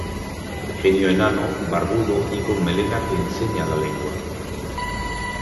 Genio enano, barbudo y con melena que enseña la lengua.